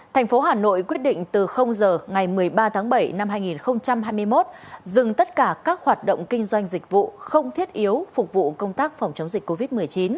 thành phố hà nội quyết định từ giờ ngày một mươi ba tháng bảy năm hai nghìn hai mươi một dừng tất cả các hoạt động kinh doanh dịch vụ không thiết yếu phục vụ công tác phòng chống dịch covid một mươi chín